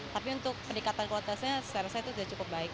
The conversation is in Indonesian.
tapi untuk pendekatan kuotasnya secara saya itu sudah cukup baik